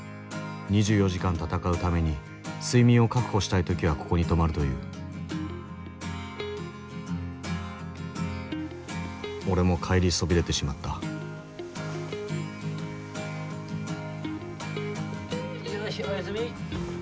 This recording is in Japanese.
２４時間戦うために睡眠を確保したい時はここに泊まるという俺も帰りそびれてしまったよしおやすみ。